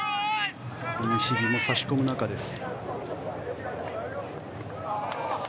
西日も差し込む中です。